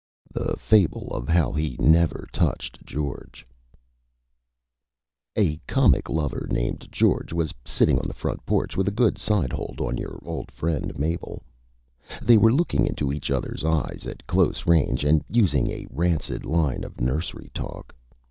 _ THE FABLE OF HOW HE NEVER TOUCHED GEORGE A comic Lover named George was sitting on the Front Porch with a good Side Hold on your old friend Mabel. They were looking into each other's Eyes at Close Range and using a rancid Line of Nursery Talk.